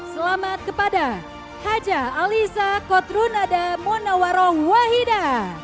selamat kepada haja alisa kotrunada munawaroh wahida